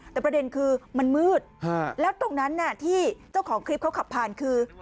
แต่ประเด็นคือมันมืดแล้วตรงนั้นที่เจ้าของคลิปเขาขับผ่านคือ